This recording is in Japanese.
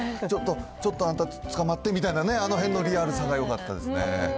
ちょっと、ちょっとあんた、つかまってみたいなね、あのへんのリアルさがよかったですね。